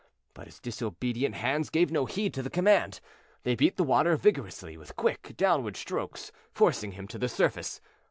But his disobedient hands gave no heed to the command. They beat the water vigorously with quick, downward strokes, forcing him to the surface.